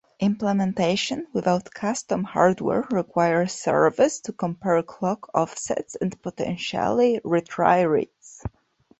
Implementations without custom hardware require servers to compare clock offsets and potentially retry reads.